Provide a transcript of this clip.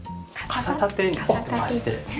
傘立てになってまして。